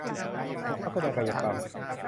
นักแสดงกายกรรม